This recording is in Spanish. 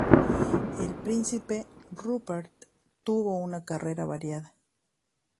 El príncipe Rupert tuvo una carrera variada.